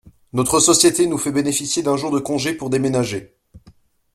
Notre société nous fait bénéficier d'un jour de congé pour déménager.